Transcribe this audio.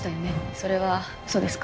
それは嘘ですか？